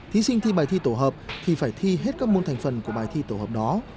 thí sinh thi bài thi tổ hợp thì phải thi hết các môn thành phần của bài thi tổ hợp đó